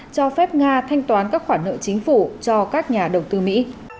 cho phép nga thanh toán các khoản nợ chính phủ cho các nhà đầu tư mỹ